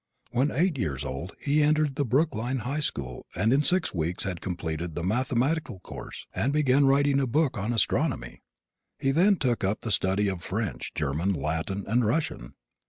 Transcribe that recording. When eight years old he entered the Brookline High School and in six weeks had completed the mathematical course and began writing a book on astronomy. He then took up the study of French, German, Latin and Russian.